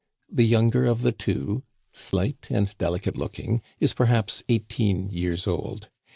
The younger of the two, slight and deli cate looking, is perhaps eighteen years old.